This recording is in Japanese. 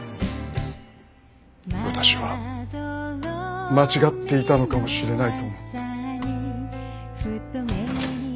私は間違っていたのかもしれないと思って。